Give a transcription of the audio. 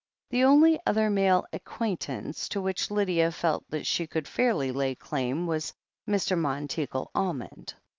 The only other male acquaintance to which Lydia felt that she could fairly lay claim was Mr. Monteagle Almond.